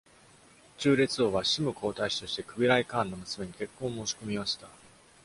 忠烈王は、シム皇太子としてクビライ・カーンの娘に結婚を申し込みました。